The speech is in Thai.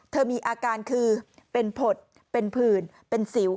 เธอมีอาการคือเป็นผดเป็นผื่นเป็นสิว